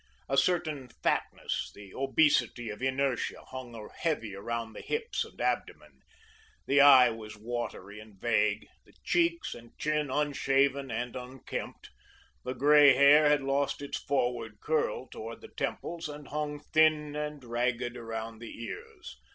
A certain fatness, the obesity of inertia, hung heavy around the hips and abdomen, the eye was watery and vague, the cheeks and chin unshaven and unkempt, the grey hair had lost its forward curl towards the temples and hung thin and ragged around the ears.